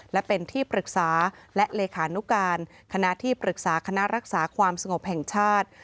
และเป็นที่ปรึกษาและเลขานุการคณะที่ปรึกษาคณะรักษาความสงบแห่งชาติ